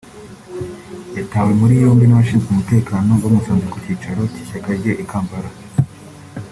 yatawe muri yombi n’abashinzwe umutekano bamusanze ku cyicaro cy’ishyaka rye i Kampala